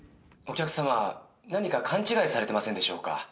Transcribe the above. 「お客さま何か勘違いされてませんでしょうか」